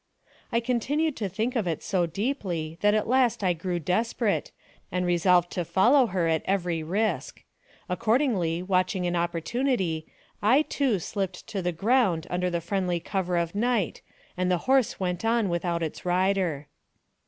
I continued to think of it so deeply that at last I grew desperate, and resolved to follow her at every risk. Accordingly, watching an opportunity, I, too, slipped to the ground under the friendly cover of night, and the horse went on without its rider.